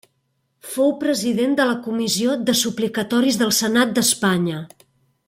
Fou president de la Comissió de Suplicatoris del Senat d'Espanya.